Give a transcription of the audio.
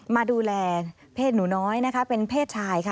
มาดูแลเพศหนูน้อยนะคะเป็นเพศชายค่ะ